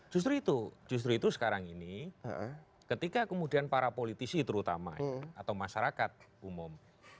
justru itu justru itu sekarang ini ketika kemudian para politisi terutama atau masyarakat umum